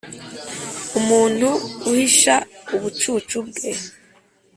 Umuntu uhisha ubucucu bwe